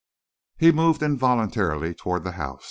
He moved involuntarily towards the house.